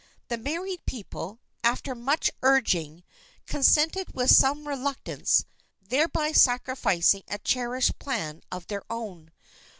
The married people, after much urging, consented with some reluctance, thereby sacrificing a cherished plan of their own.